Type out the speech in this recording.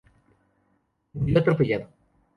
Murió atropellado.